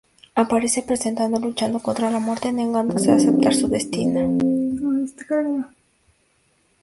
Aparece representado luchando contra la muerte, negándose a aceptar su destino.